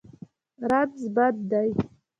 رنځ بد دی.